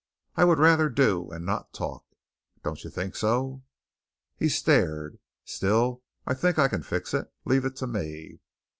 I would rather do and not talk. Don't you think so?" He stared. "Still, I think I can fix it. Leave it to me."